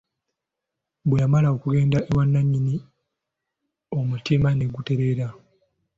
Bwe yamala okugenda ewa nnyina omutima ne gumuterera.